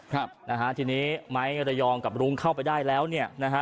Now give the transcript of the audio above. ครับนะฮะทีนี้ไม้ระยองกับรุ้งเข้าไปได้แล้วเนี่ยนะฮะ